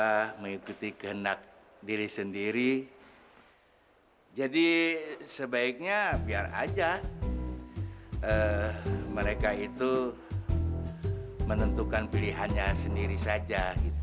saya sudah lama mengikuti kehenak diri sendiri jadi sebaiknya biar saja mereka itu menentukan pilihannya sendiri saja